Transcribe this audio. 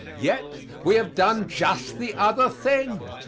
Yet we have done just the other thing.